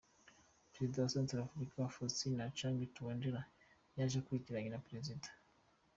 Perezida wa Centrafrique, Faustin-Archange Touadéra yaje akurikiranye na Perezida .